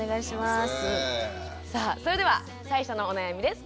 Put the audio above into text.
さあそれでは最初のお悩みです。